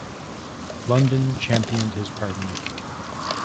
London championed his pardon.